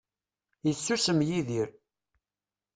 Yessusem Yidir.